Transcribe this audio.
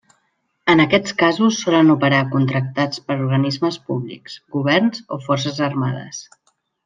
En aquests casos solen operar contractats per organismes públics, governs o forces armades.